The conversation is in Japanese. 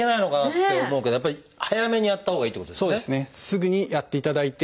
すぐにやっていただいて。